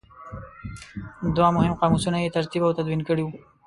دوه مهم قاموسونه یې ترتیب او تدوین کړي وو.